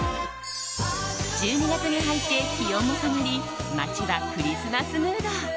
１２月に入って気温も下がり街はクリスマスムード。